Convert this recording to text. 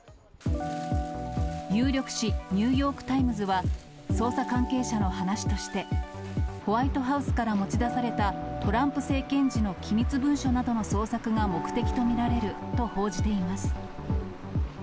有力紙、ニューヨーク・タイムズは、捜査関係者の話として、ホワイトハウスか、ホワイトハウスから持ち出されたトランプ政権時の機密文書などの捜索が目的と見られると報じています。